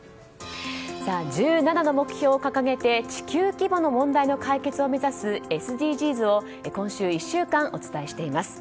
１７の目標を掲げて地球規模の問題の解決を目指すＳＤＧｓを今週１週間お伝えしています。